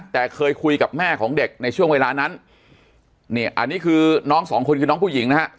แต่เคยคุยกับแม่ของเด็กในช่วงเวลานั้นนี่อันนี้คือน้องสองคนคือน้องผู้หญิงนะฮะ